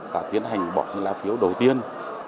đã tiến hành bỏ những lá phiếu đầu tiên